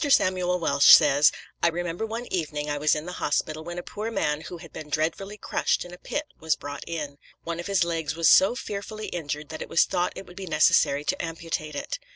Samuel Welsh says: "I remember one evening I was in the hospital when a poor man who had been dreadfully crushed in a pit was brought in. One of his legs was so fearfully injured that it was thought it would be necessary to amputate it.